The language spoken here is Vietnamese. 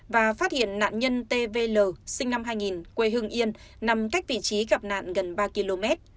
và phát hiện nạn nhân t v l sinh năm hai nghìn quê hưng yên nằm cách vị trí gặp nạn gần ba km